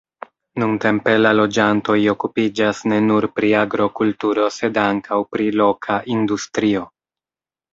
Nuntempe la loĝantoj okupiĝas ne nur pri agrokulturo, sed ankaŭ pri loka industrio.